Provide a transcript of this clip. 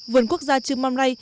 vườn quốc gia trư mon rai